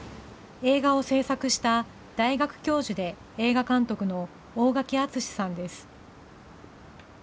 映画を製作した、大学教授で映画監督の大墻敦さんです。